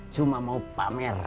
cuma mau pamer